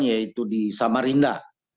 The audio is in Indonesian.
yaitu di samarinda